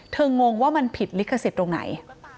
งงว่ามันผิดลิขสิทธิ์ตรงไหน